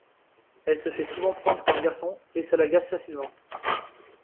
Elle se fait souvent prendre pour un garçon, et ça l'agace facilement.